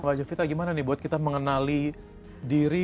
mbak jovita gimana nih buat kita mengenali diri